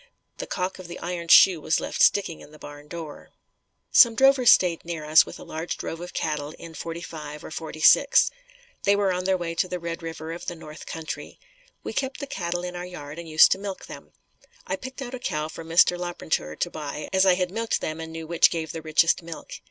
The calk of the iron shoe was left sticking in the barn door. Some drovers stayed near us with a large drove of cattle in '45 or '46. They were on their way to the Red River of the north country. We kept the cattle in our yard and used to milk them. I picked out a cow for Mr. Larpenteur to buy as I had milked them and knew which gave the richest milk.